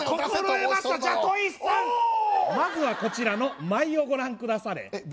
まずはこちらの舞をご覧くだされえっ